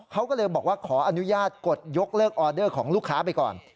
เขาก็เลยบอกว่าขออนุญาตกดยกเลิกออเดอร์ของลูกค้าไปก่อน